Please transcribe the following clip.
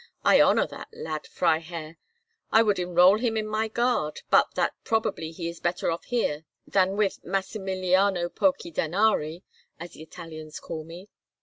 I honour that lad, Freiherr; I would enrol him in my guard, but that probably he is better off here than with Massimiliano pochi danari, as the Italians call me.